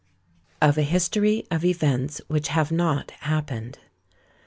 OF A HISTORY OF EVENTS WHICH HAVE NOT HAPPENED.